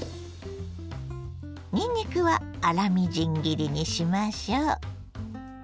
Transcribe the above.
にんにくは粗みじん切りにしましょ。